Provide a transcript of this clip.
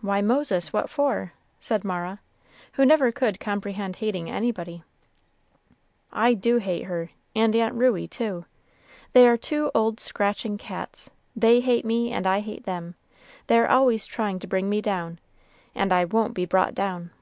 "Why, Moses, what for?" said Mara, who never could comprehend hating anybody. "I do hate her, and Aunt Ruey, too. They are two old scratching cats; they hate me, and I hate them; they're always trying to bring me down, and I won't be brought down."